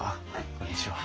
こんにちは。